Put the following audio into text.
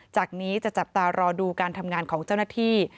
จากนี้จะจับตารอดูการทำงานของเจ้าหน้าที่